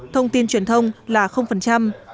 thông tin truyền thông là